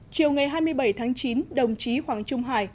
chiều ngày hai mươi bảy tháng chín đồng chí hoàng trung hải